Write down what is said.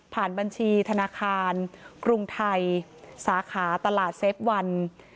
บัญชีธนาคารกรุงไทยสาขาตลาดเซฟวัน